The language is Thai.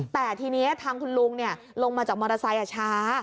แต่ทีนี้ทางคุณลุงลงมาจากมอเตอร์ไซค์ช้า